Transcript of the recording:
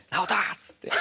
っつって。